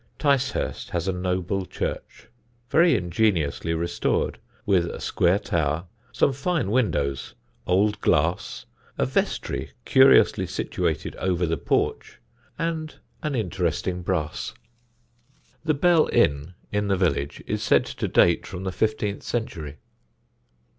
Ticehurst has a noble church, very ingeniously restored, with a square tower, some fine windows, old glass, a vestry curiously situated over the porch, and an interesting brass. The Bell Inn, in the village, is said to date from the fifteenth century.